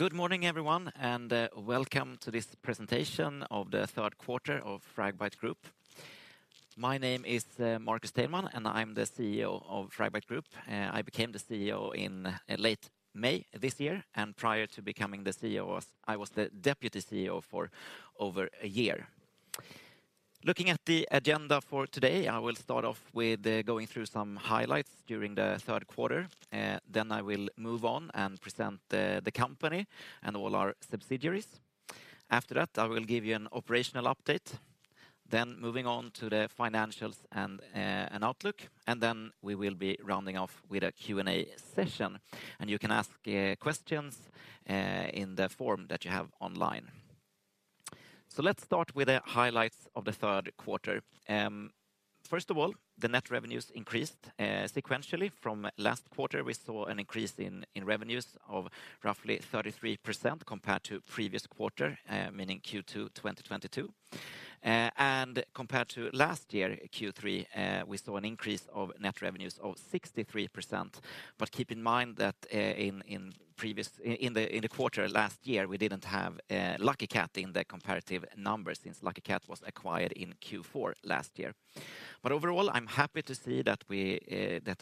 Good morning everyone, and welcome to this presentation of the third quarter of Fragbite Group. My name is Marcus Teilman, and I'm the CEO of Fragbite Group. I became the CEO in late May this year, and prior to becoming the CEO, I was the deputy CEO for over a year. Looking at the agenda for today, I will start off with going through some highlights during the third quarter, then I will move on and present the company and all our subsidiaries. After that, I will give you an operational update, then moving on to the financials and outlook, and then we will be rounding off with a Q&A session, and you can ask questions in the form that you have online. Let's start with the highlights of the third quarter. First of all, the net revenues increased sequentially from last quarter. We saw an increase in revenues of roughly 33% compared to previous quarter, meaning Q2 2022. Compared to last year Q3, we saw an increase of net revenues of 63%. Keep in mind that in the quarter last year, we didn't have Lucky Kat in the comparative numbers since Lucky Kat was acquired in Q4 last year. Overall, I'm happy to see that we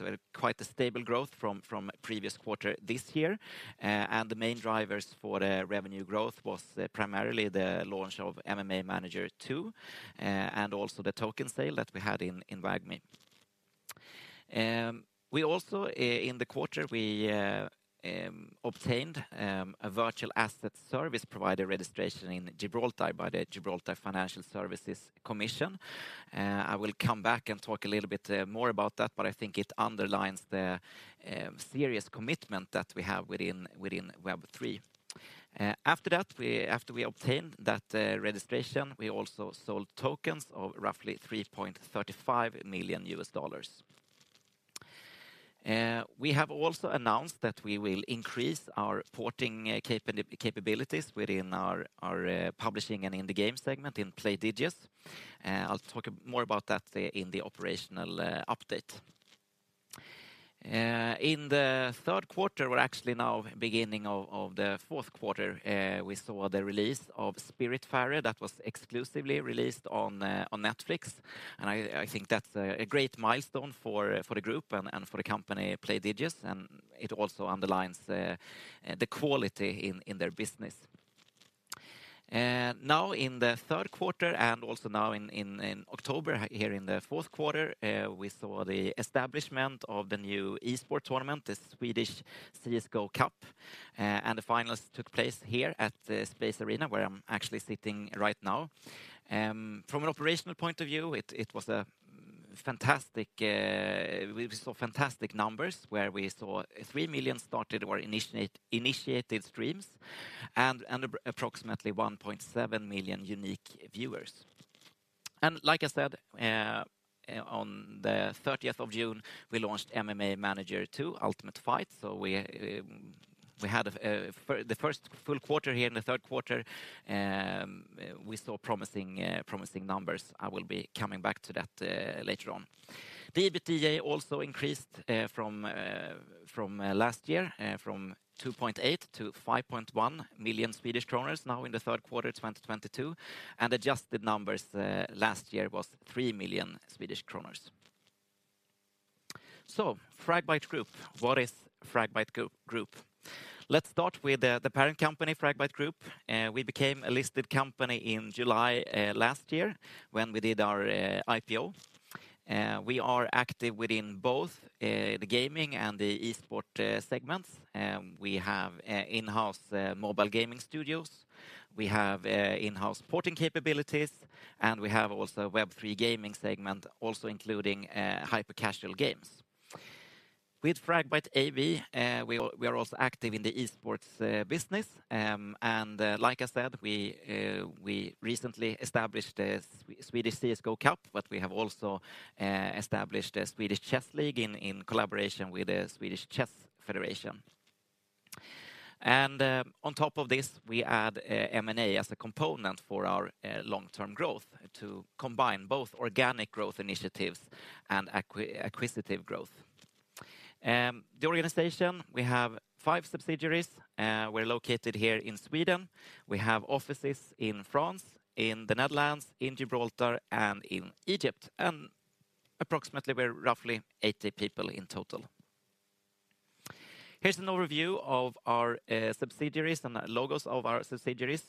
were quite a stable growth from previous quarter this year. The main drivers for the revenue growth was primarily the launch of MMA Manager 2 and also the token sale that we had in WAGMI. We also, in the quarter, obtained a virtual asset service provider registration in Gibraltar by the Gibraltar Financial Services Commission. I will come back and talk a little bit more about that, but I think it underlines the serious commitment that we have within Web3. After that, after we obtained that registration, we also sold tokens of roughly $3.35 million. We have also announced that we will increase our porting capabilities within our publishing and in the game segment in Playdigious. I'll talk more about that in the operational update. In the third quarter, we're actually now beginning of the fourth quarter, we saw the release of Spiritfarer that was exclusively released on Netflix, and I think that's a great milestone for the group and for the company Playdigious, and it also underlines the quality in their business. Now in the third quarter and also now in October here in the fourth quarter, we saw the establishment of the new e-sports tournament, the Swedish CS:GO Cup, and the finals took place here at the Space Arena, where I'm actually sitting right now. From an operational point of view, it was a fantastic. We saw fantastic numbers where we saw three million started or initiated streams and approximately 1.7 million unique viewers. Like I said, on the 30th of June, we launched MMA Manager 2: Ultimate Fight. For the first full quarter here in the third quarter, we saw promising numbers. I will be coming back to that later on. The EBITDA also increased from last year, from 2.8 million to 5.1 million Swedish kronor now in the third quarter of 2022, and adjusted numbers last year was 3 million Swedish kronor. Fragbite Group. What is Fragbite Group? Let's start with the parent company, Fragbite Group. We became a listed company in July last year when we did our IPO. We are active within both the gaming and the e-sports segments. We have in-house mobile gaming studios. We have in-house porting capabilities, and we have also a Web3 gaming segment, also including hyper-casual games. With Fragbite AB, we are also active in the e-sports business. Like I said, we recently established a Swedish CS:GO Cup, but we have also established a Swedish Chess League in collaboration with the Swedish Chess Federation. On top of this, we add M&A as a component for our long-term growth to combine both organic growth initiatives and acquisitive growth. The organization, we have five subsidiaries. We're located here in Sweden. We have offices in France, in the Netherlands, in Gibraltar, and in Egypt, and approximately we're roughly 80 people in total. Here's an overview of our subsidiaries and the logos of our subsidiaries.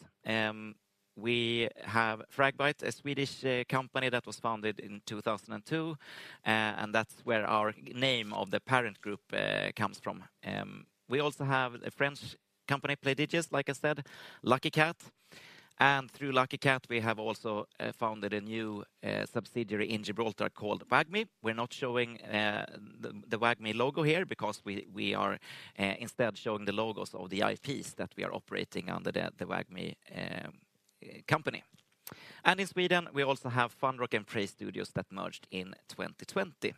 We have Fragbite, a Swedish company that was founded in 2002, and that's where our name of the parent group comes from. We also have a French company, Playdigious, like I said, Lucky Kat, and through Lucky Kat, we have also founded a new subsidiary in Gibraltar called WAGMI. We're not showing the WAGMI logo here because we are instead showing the logos of the IPs that we are operating under the WAGMI company. In Sweden, we also have Funrock & Prey Studios that merged in 2020.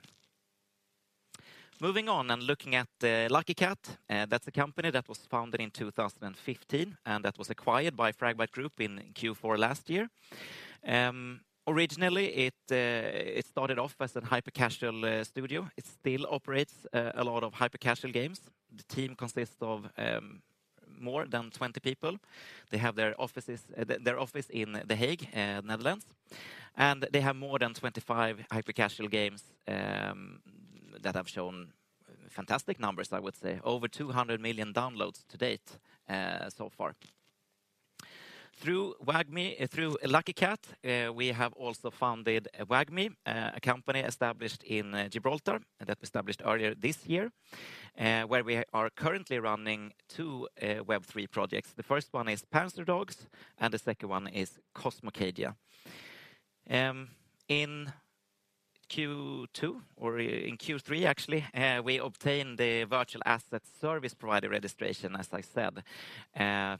Moving on and looking at Lucky Kat, that's a company that was founded in 2015 and that was acquired by Fragbite Group in Q4 last year. Originally it started off as a hyper-casual studio. It still operates a lot of hyper-casual games. The team consists of more than 20 people. They have their office in The Hague, Netherlands, and they have more than 25 hyper-casual games that have shown fantastic numbers, I would say, over 200 million downloads to date, so far. Through Lucky Kat, we have also founded WAGMI, a company established in Gibraltar that was established earlier this year, where we are currently running two Web3 projects. The first one is Panzerdogs, and the second one is Cosmocadia. In Q2 or in Q3, actually, we obtained the virtual asset service provider registration, as I said, and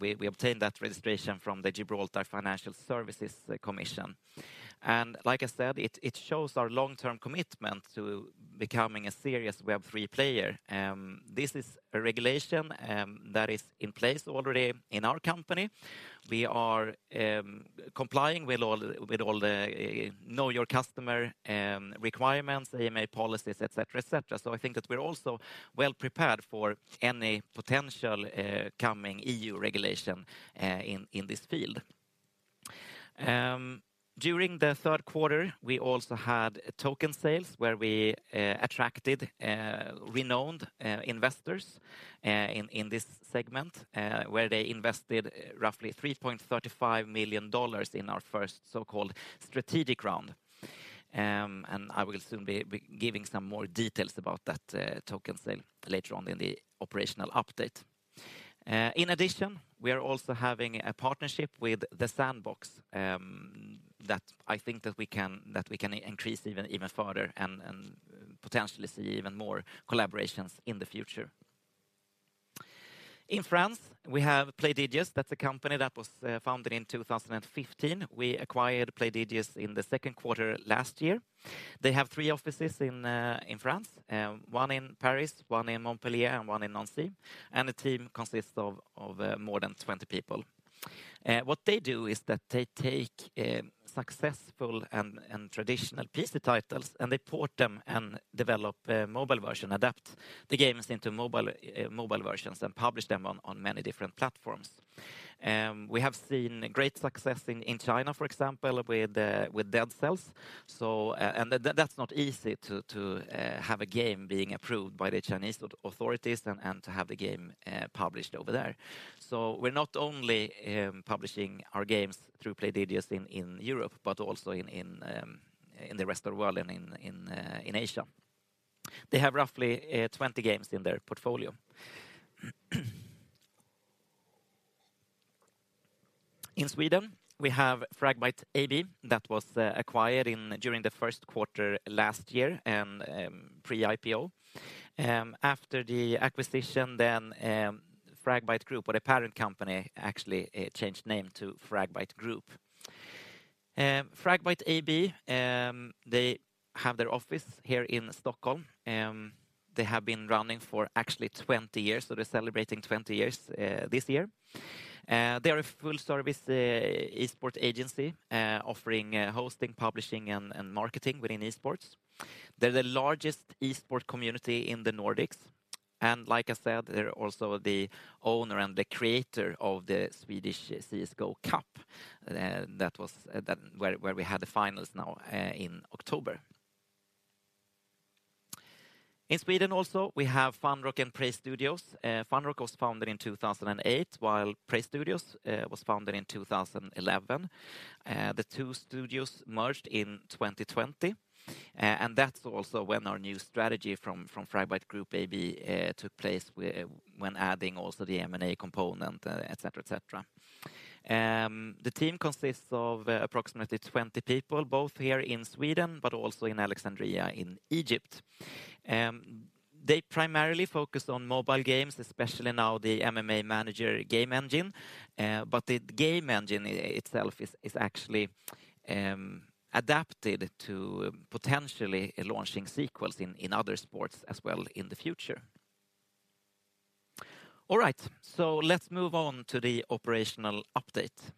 we obtained that registration from the Gibraltar Financial Services Commission. Like I said, it shows our long-term commitment to becoming a serious Web3 player. This is a regulation that is in place already in our company. We are complying with all with all the Know Your Customer requirements, AML policies, et cetera, et cetera. I think that we're also well-prepared for any potential coming EU regulation in this field. During the third quarter, we also had token sales where we attracted renowned investors in this segment where they invested roughly $3.35 million in our first so-called strategic round. I will soon be giving some more details about that token sale later on in the operational update. In addition, we are also having a partnership with The Sandbox that I think that we can increase even further and potentially see even more collaborations in the future. In France, we have Playdigious. That's a company that was founded in 2015. We acquired Playdigious in the second quarter last year. They have three offices in France, one in Paris, one in Montpellier, and one in Nancy, and the team consists of more than 20 people. What they do is that they take successful and traditional PC titles, and they port them and develop a mobile version, adapt the games into mobile versions, and publish them on many different platforms. We have seen great success in China, for example, with Dead Cells. That's not easy to have a game being approved by the Chinese authorities and to have the game published over there. We're not only publishing our games through Playdigious in Europe, but also in the rest of the world and in Asia. They have roughly 20 games in their portfolio. In Sweden, we have Fragbite AB that was acquired during the first quarter last year and pre-IPO. After the acquisition then, Fragbite Group or the parent company actually changed name to Fragbite Group. Fragbite AB, they have their office here in Stockholm. They have been running for actually 20 years, so they're celebrating 20 years this year. They are a full-service esports agency offering hosting, publishing, and marketing within esports. They're the largest esports community in the Nordics, and like I said, they're also the owner and the creator of the Swedish CS:GO Cup. That was where we had the finals in October. In Sweden also, we have Funrock & Prey Studios. Funrock was founded in 2008, while Prey Studios was founded in 2011. The two studios merged in 2020, and that's also when our new strategy from Fragbite Group AB took place when adding also the M&A component, et cetera. The team consists of approximately 20 people, both here in Sweden, but also in Alexandria in Egypt. They primarily focus on mobile games, especially now the MMA Manager game engine, but the game engine itself is actually adapted to potentially launching sequels in other sports as well in the future. All right, so let's move on to the operational update.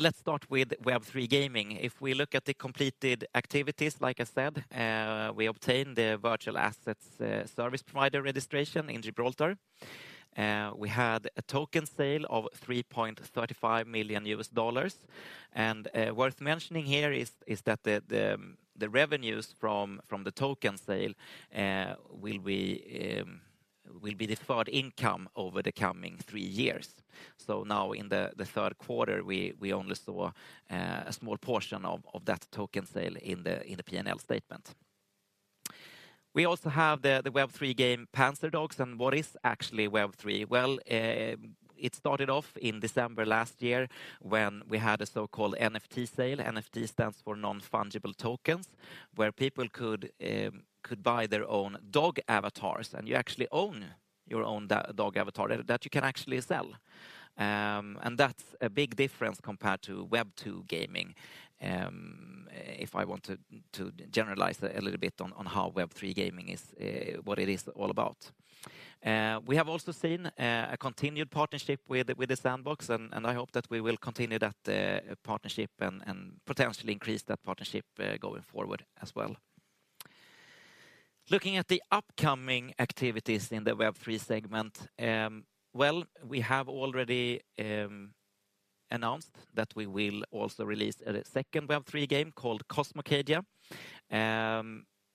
Let's start with Web3 gaming. If we look at the completed activities, like I said, we obtained the virtual asset service provider registration in Gibraltar. We had a token sale of $3.35 million, and worth mentioning here is that the revenues from the token sale will be deferred income over the coming three years. Now in the third quarter, we only saw a small portion of that token sale in the P&L statement. We also have the Web3 game, Panzerdogs, and what is actually Web3? It started off in December last year when we had a so-called NFT sale. NFT stands for non-fungible tokens, where people could buy their own dog avatars, and you actually own your own dog avatar that you can actually sell. That's a big difference compared to Web2 gaming, if I want to generalize a little bit on how Web3 gaming is, what it is all about. We have also seen a continued partnership with The Sandbox, and I hope that we will continue that partnership and potentially increase that partnership going forward as well. Looking at the upcoming activities in the Web3 segment, well, we have already announced that we will also release a second Web3 game called Cosmocadia.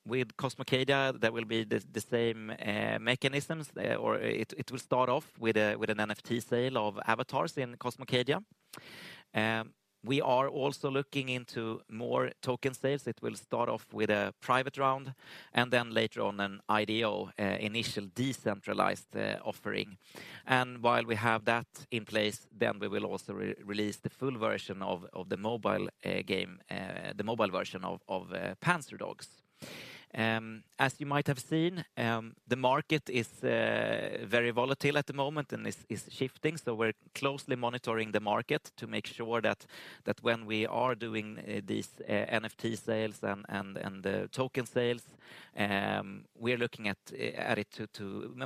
With Cosmocadia, there will be the same mechanisms, or it will start off with an NFT sale of avatars in Cosmocadia. We are also looking into more token sales. It will start off with a private round, and then later on an IDO, initial decentralized offering. While we have that in place, then we will also re-release the full version of the mobile game, the mobile version of Panzerdogs. As you might have seen, the market is very volatile at the moment and is shifting, so we're closely monitoring the market to make sure that when we are doing these NFT sales and the token sales, we're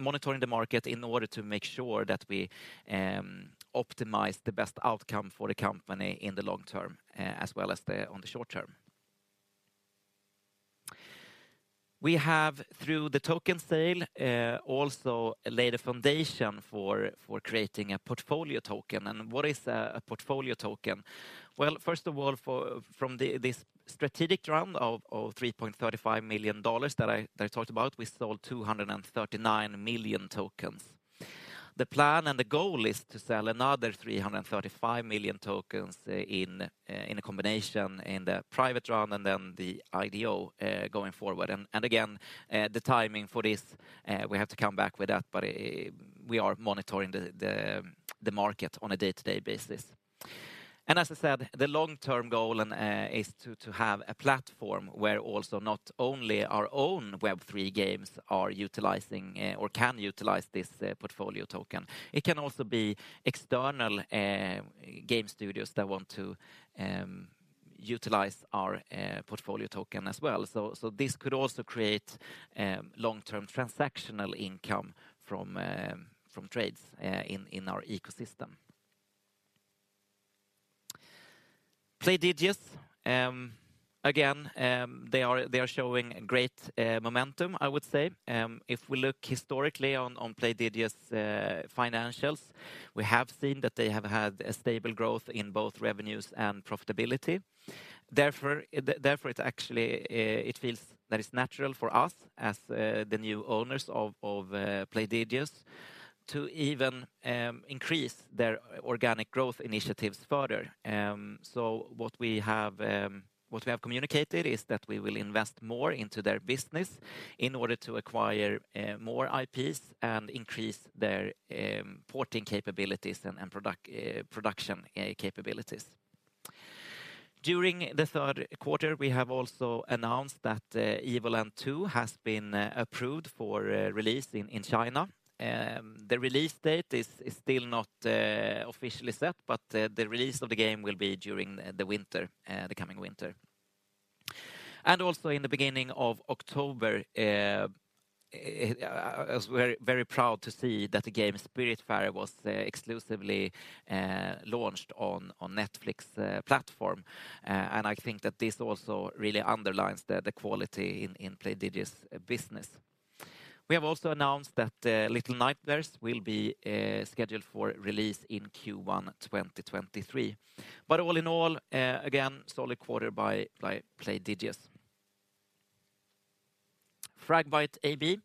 monitoring the market in order to make sure that we optimize the best outcome for the company in the long term, as well as on the short term. We have, through the token sale, also laid a foundation for creating a portfolio token. What is a portfolio token? Well, first of all, from this strategic round of $3.35 million that I talked about, we sold 239 million tokens. The plan and the goal is to sell another 335 million tokens in a combination in the private round and then the IDO going forward. Again, the timing for this, we have to come back with that, but we are monitoring the market on a day-to-day basis. As I said, the long-term goal is to have a platform where also not only our own Web3 games are utilizing or can utilize this portfolio token, it can also be external game studios that want to utilize our portfolio token as well. This could also create long-term transactional income from trades in our ecosystem. Playdigious, again, they are showing great momentum, I would say. If we look historically on Playdigious' financials, we have seen that they have had a stable growth in both revenues and profitability. Therefore it actually feels that it's natural for us as the new owners of Playdigious to even increase their organic growth initiatives further. What we have communicated is that we will invest more into their business in order to acquire more IPs and increase their porting capabilities and production capabilities. During the third quarter, we have also announced that Evil Lands 2 has been approved for release in China. The release date is still not officially set, but the release of the game will be during the winter, the coming winter. Also in the beginning of October, I was very proud to see that the game Spiritfarer was exclusively launched on Netflix platform. I think that this also really underlines the quality in Playdigious' business. We have also announced that Little Nightmares will be scheduled for release in Q1 2023. All in all, again, solid quarter by Playdigious. Fragbite AB,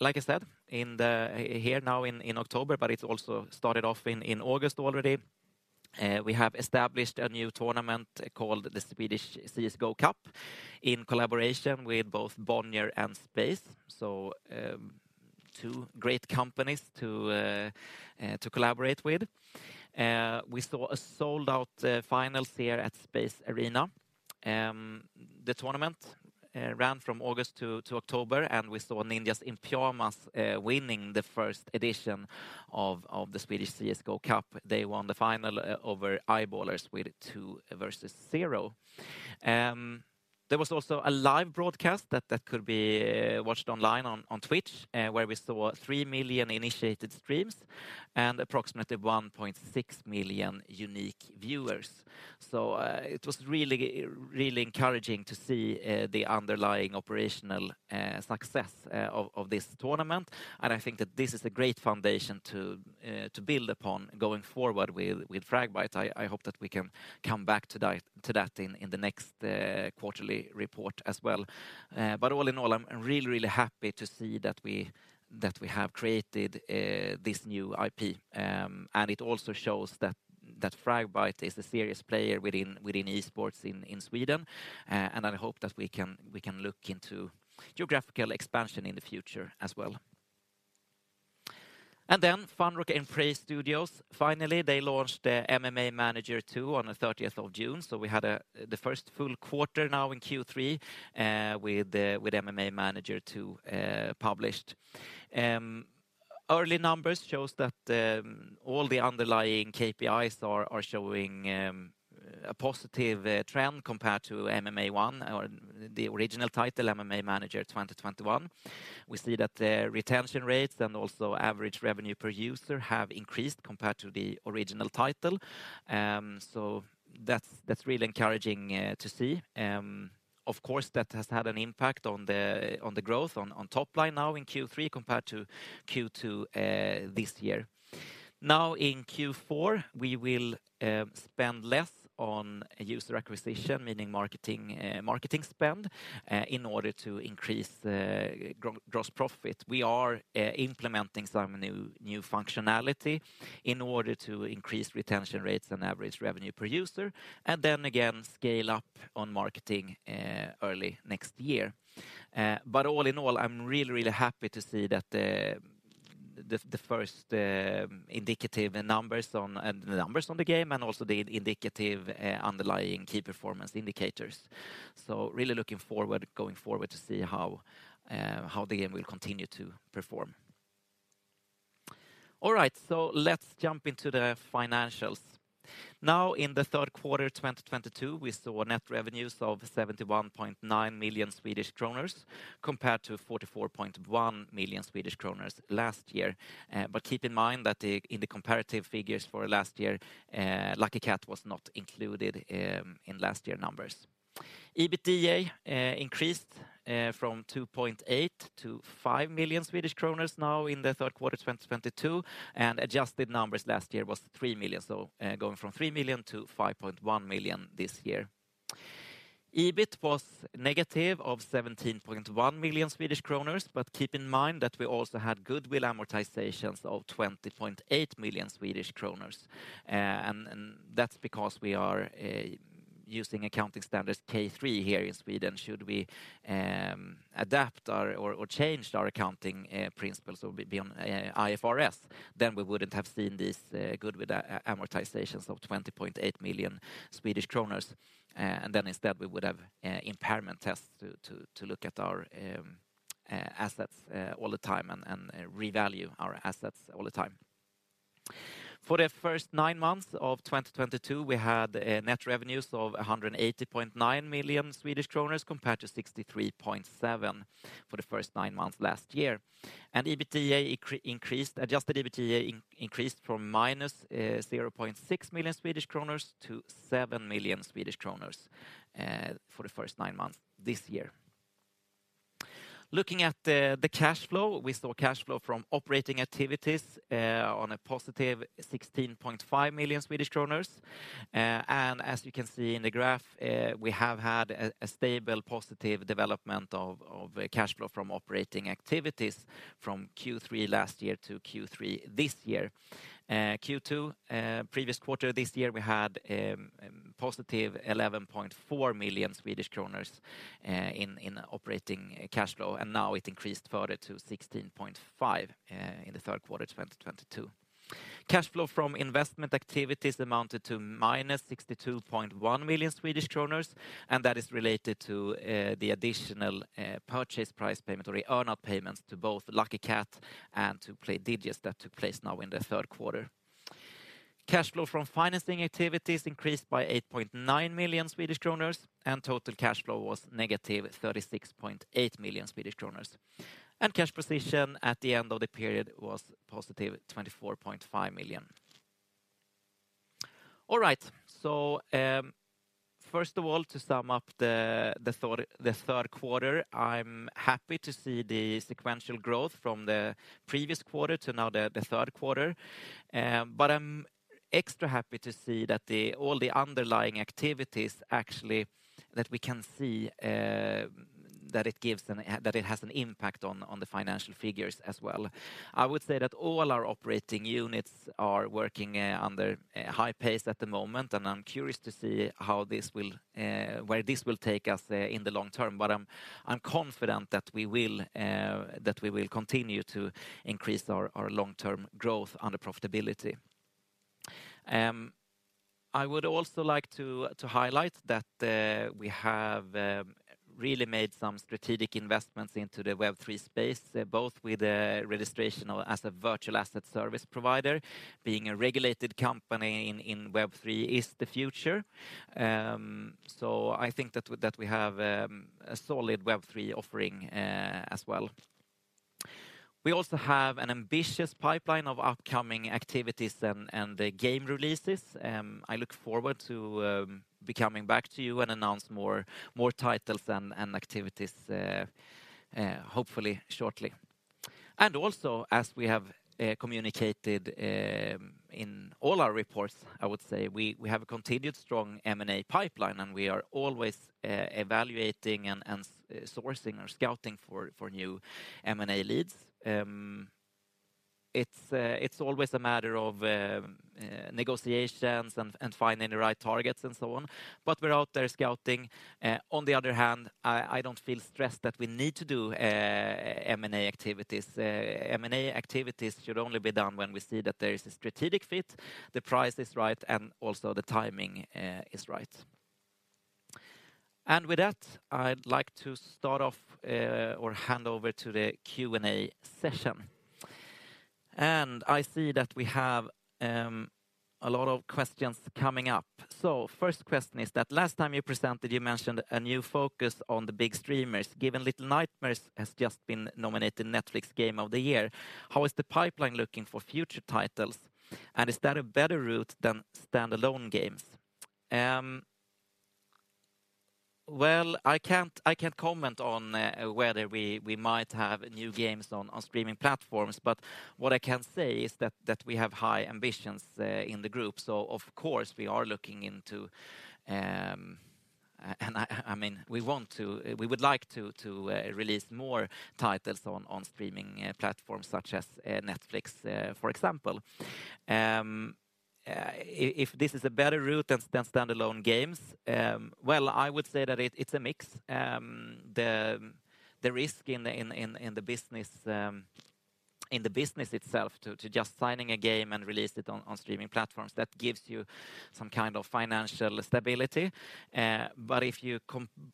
like I said, here now in October. It also started off in August already. We have established a new tournament called the Swedish CS:GO Cup in collaboration with both Bonnier and Space. Two great companies to collaborate with. We saw a sold-out finals here at Space Arena. The tournament ran from August to October, and we saw Ninjas in Pyjamas winning the first edition of the Swedish CS:GO Cup. They won the final over Eyeballers with two versus zero. There was also a live broadcast that could be watched online on Twitch, where we saw three million initiated streams and approximately 1.6 million unique viewers. It was really, really encouraging to see the underlying operational success of this tournament, and I think that this is a great foundation to build upon going forward with Fragbite. I hope that we can come back to that in the next quarterly report as well. All in all, I'm really, really happy to see that we have created this new IP. It also shows that Fragbite is a serious player within esports in Sweden, and I hope that we can look into geographical expansion in the future as well. Funrock & Prey Studios, finally, they launched the MMA Manager 2 on the 30th of June, so we had the first full quarter now in Q3 with MMA Manager 2 published. Early numbers shows that all the underlying KPIs are showing a positive trend compared to MMA one or the original title, MMA Manager 2021. We see that the retention rates and also average revenue per user have increased compared to the original title. So that's really encouraging to see. Of course, that has had an impact on the growth on top line now in Q3 compared to Q2 this year. Now in Q4, we will spend less on user acquisition, meaning marketing spend, in order to increase gross profit. We are implementing some new functionality in order to increase retention rates and average revenue per user, and then again, scale up on marketing early next year. All in all, I'm really happy to see that the numbers on the game and also the indicative underlying key performance indicators. Really going forward to see how the game will continue to perform. All right, let's jump into the financials. Now, in the third quarter of 2022, we saw net revenues of 71.9 million Swedish kronor compared to 44.1 million Swedish kronor last year. Keep in mind that in the comparative figures for last year, Lucky Kat was not included in last year numbers. EBITDA increased from 2.8 million to 5 million Swedish kronor in the third quarter of 2022, and adjusted numbers last year was 3 million. Going from 3 million to 5.1 million this year. EBIT was negative 17.1 million Swedish kronor, but keep in mind that we also had goodwill amortizations of 20.8 million Swedish kronor. That's because we are using accounting standards K3 here in Sweden. Should we change our accounting principles or be on IFRS, then we wouldn't have seen this goodwill amortizations of 20.8 million Swedish kronor. Then instead we would have impairment tests to look at our assets all the time and revalue our assets all the time. For the first nine months of 2022, we had net revenues of 180.9 million Swedish kronor compared to 63.7 million SEK for the first nine months last year. Adjusted EBITDA increased from minus 0.6 million Swedish kronor to 7 million Swedish kronor for the first nine months this year. Looking at the cash flow, we saw cash flow from operating activities on a positive 16.5 million Swedish kronor. As you can see in the graph, we have had a stable positive development of cash flow from operating activities from Q3 last year to Q3 this year. Q2 previous quarter this year, we had positive 11.4 million Swedish kronor in operating cash flow, and now it increased further to 16.5 in the third quarter of 2022. Cash flow from investment activities amounted to -62.1 million Swedish kronor, and that is related to the additional purchase price payment or the earn-out payments to both Lucky Kat and to Playdigious that took place now in the third quarter. Cash flow from financing activities increased by 8.9 million Swedish kronor, and total cash flow was negative 36.8 million Swedish kronor. Cash position at the end of the period was positive 24.5 million. All right. First of all, to sum up the third quarter, I'm happy to see the sequential growth from the previous quarter to now the third quarter. I'm extra happy to see that all the underlying activities actually that we can see that it has an impact on the financial figures as well. I would say that all our operating units are working under a high pace at the moment, and I'm curious to see where this will take us in the long term. I'm confident that we will continue to increase our long-term growth and the profitability. I would also like to highlight that we have really made some strategic investments into the Web3 space, both with the registration as a virtual asset service provider. Being a regulated company in Web3 is the future. I think that we have a solid Web3 offering as well. We also have an ambitious pipeline of upcoming activities and game releases. I look forward to being back to you and announce more titles and activities, hopefully shortly. As we have communicated in all our reports, I would say we have a continued strong M&A pipeline, and we are always evaluating and sourcing or scouting for new M&A leads. It's always a matter of negotiations and finding the right targets and so on, but we're out there scouting. On the other hand, I don't feel stressed that we need to do M&A activities. M&A activities should only be done when we see that there is a strategic fit, the price is right, and also the timing is right. With that, I'd like to start off or hand over to the Q&A session. I see that we have a lot of questions coming up. First question is that last time you presented, you mentioned a new focus on the big streamers. Given Little Nightmares has just been nominated Netflix Game of the Year, how is the pipeline looking for future titles? And is that a better route than standalone games? Well, I can't comment on whether we might have new games on streaming platforms, but what I can say is that we have high ambitions in the group. Of course, we are looking into. We would like to release more titles on streaming platforms such as Netflix, for example. If this is a better route than standalone games, well, I would say that it's a mix. The risk in the business itself to just signing a game and release it on streaming platforms, that gives you some kind of financial stability. If you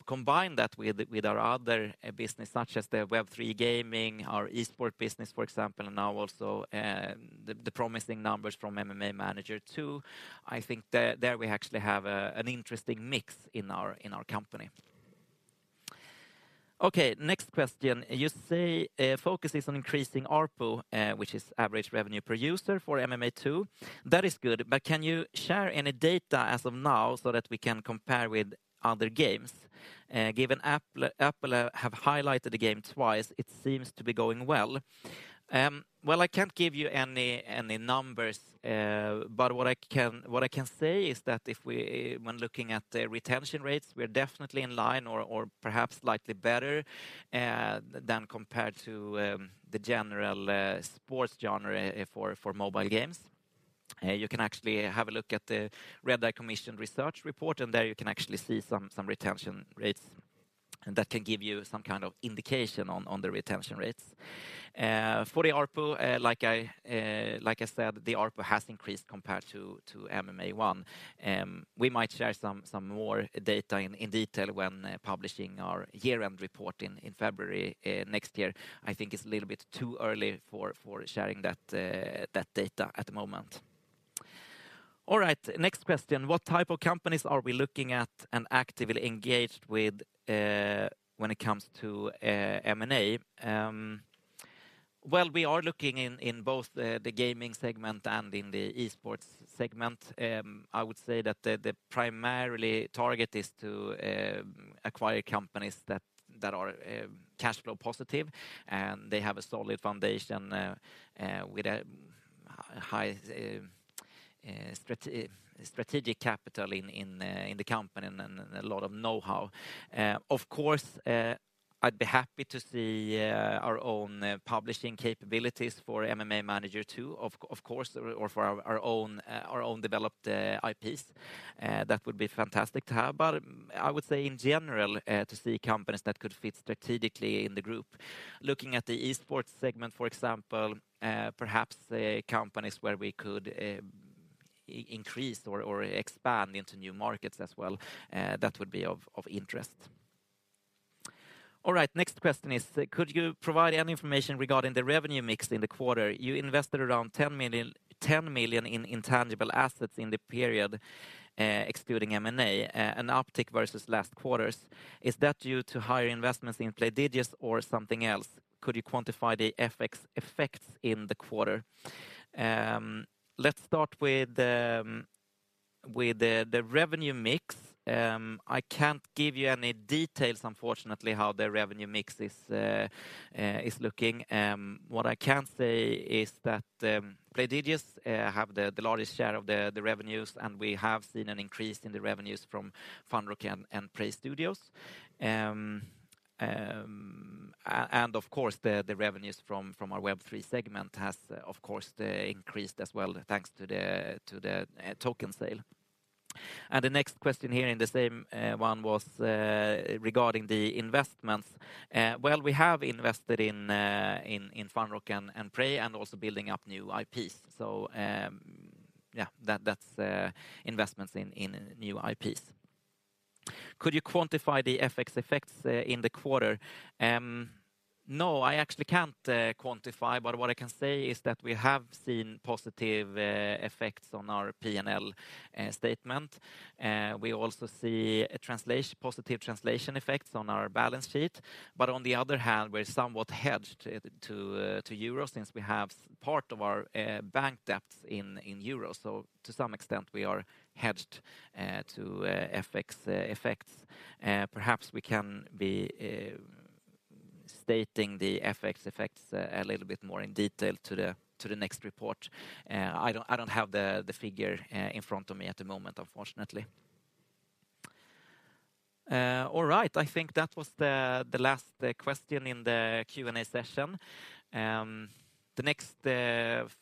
combine that with our other business, such as the Web3 gaming, our esports business, for example, now also the promising numbers from MMA Manager 2, I think there we actually have an interesting mix in our company. Okay, next question: You say focus is on increasing ARPU, which is average revenue per user for MMA 2. That is good, but can you share any data as of now so that we can compare with other games? Given Apple have highlighted the game twice, it seems to be going well. Well, I can't give you any numbers, but what I can say is that when looking at the retention rates, we are definitely in line or perhaps slightly better than compared to the general sports genre for mobile games. You can actually have a look at the Redeye research report, and there you can actually see some retention rates that can give you some kind of indication on the retention rates. For the ARPU, like I said, the ARPU has increased compared to MMA one. We might share some more data in detail when publishing our year-end report in February next year. I think it's a little bit too early for sharing that data at the moment. All right, next question: What type of companies are we looking at and actively engaged with, when it comes to, M&A? Well, we are looking in both the gaming segment and in the e-sports segment. I would say that the primary target is to acquire companies that are cash flow positive, and they have a solid foundation with a high strategic capital in the company and a lot of know-how. Of course, I'd be happy to see our own publishing capabilities for MMA Manager 2, of course, or for our own developed IPs. That would be fantastic to have. I would say in general to see companies that could fit strategically in the group. Looking at the e-sports segment, for example, perhaps the companies where we could increase or expand into new markets as well, that would be of interest. All right, next question is: Could you provide any information regarding the revenue mix in the quarter? You invested around 10 million in intangible assets in the period, excluding M&A, an uptick versus last quarter. Is that due to higher investments in Playdigious or something else? Could you quantify the FX effects in the quarter? Let's start with the revenue mix. I can't give you any details, unfortunately, how the revenue mix is looking. What I can say is that Playdigious have the largest share of the revenues, and we have seen an increase in the revenues from Funrock and Prey Studios. Of course, the revenues from our Web3 segment has, of course, increased as well, thanks to the token sale. The next question here in the same one was regarding the investments. Well, we have invested in Funrock and Prey and also building up new IPs. Yeah, that's investments in new IPs. Could you quantify the FX effects in the quarter? No, I actually can't quantify, but what I can say is that we have seen positive effects on our P&L statement. We also see positive translation effects on our balance sheet. On the other hand, we're somewhat hedged to euros since we have part of our bank debts in euros. To some extent, we are hedged to FX effects. Perhaps we can be stating the FX effects a little bit more in detail to the next report. I don’t have the figure in front of me at the moment, unfortunately. All right. I think that was the last question in the Q&A session. The next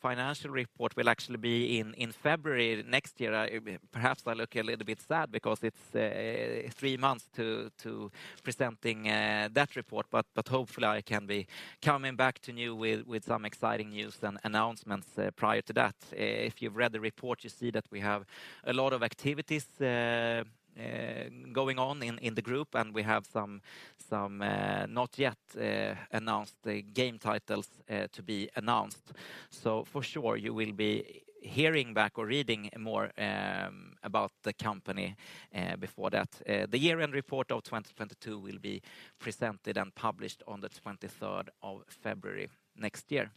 financial report will actually be in February next year. Perhaps I look a little bit sad because it's three months to presenting that report, but hopefully, I can be coming back to you with some exciting news and announcements prior to that. If you've read the report, you see that we have a lot of activities going on in the group, and we have some not yet announced game titles to be announced. For sure, you will be hearing back or reading more about the company before that. The year-end report of 2022 will be presented and published on the 23rd of February next year.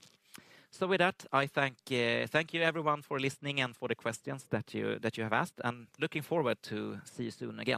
With that, I thank you, everyone, for listening and for the questions that you have asked. I'm looking forward to see you soon again.